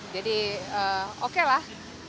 jadi oke lah